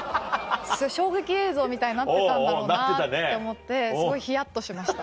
衝撃映像みたいになってたんだろうなって思ってすごいひやっとしました。